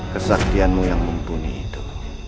kesaktianmu yang mumpuni itu